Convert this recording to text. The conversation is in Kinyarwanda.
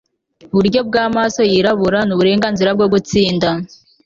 iburyo bw'amaso yirabura, n'uburenganzira bwo gutsinda